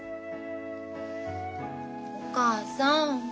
お母さん